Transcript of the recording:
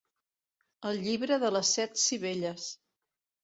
El llibre de les set sivelles.